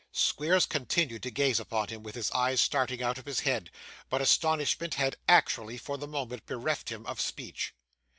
Squeers continued to gaze upon him, with his eyes starting out of his head; but astonishment had actually, for the moment, bereft him of speech.